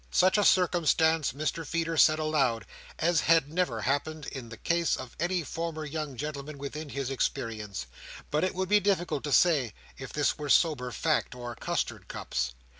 Such a circumstance, Mr Feeder said aloud, as had never happened in the case of any former young gentleman within his experience; but it would be difficult to say if this were sober fact or custard cups.